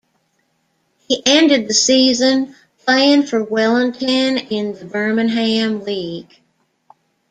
He ended the season playing for Wellington in the Birmingham league.